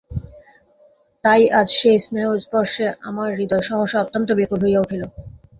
তাই আজ সেই স্নেহস্পর্শে আমার হৃদয় সহসা অত্যন্ত ব্যাকুল হইয়া উঠিল।